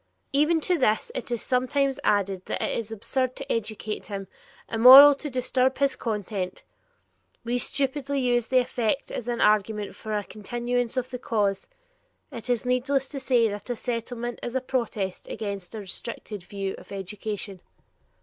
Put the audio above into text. '" Even to this it is sometimes added that it is absurd to educate him, immoral to disturb his content. We stupidly use the effect as an argument for a continuance of the cause. It is needless to say that a Settlement is a protest against a restricted view of education.